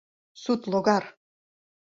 Сут логар!..